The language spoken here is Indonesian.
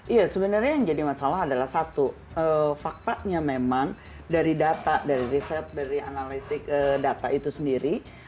iya sebenarnya yang jadi masalah adalah satu faktanya memang dari data dari riset dari analistik data itu sendiri